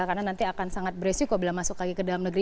karena nanti akan sangat beresiko bila masuk lagi ke dalam negeri